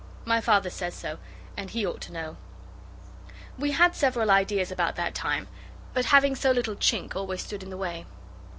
My Father says so, and he ought to know. We had several ideas about that time, but having so little chink always stood in the way.